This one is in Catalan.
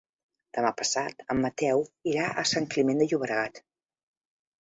Demà passat en Mateu irà a Sant Climent de Llobregat.